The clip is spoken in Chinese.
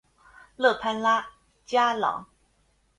勒潘拉加朗。